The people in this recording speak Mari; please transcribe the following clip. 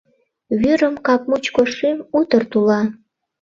Вӱрым кап мучко шӱм утыр тула.